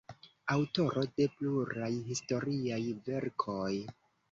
Aŭtoro de pluraj historiaj verkoj.